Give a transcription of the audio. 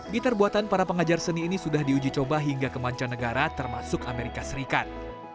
gitar buatan para pengajar seni ini sudah diuji coba hingga ke mancanegara termasuk amerika serikat